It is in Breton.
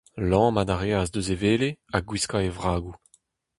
Lammat a reas eus e wele, ha gwiskañ e vragoù.